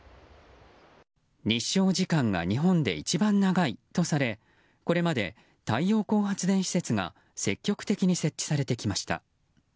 日照時間が日本で一番長いとされこれまで、太陽光発電施設が積極的に設置されてきました。